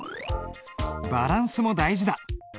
バランスも大事だ！